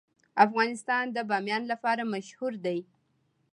افغانستان د بامیان لپاره مشهور دی.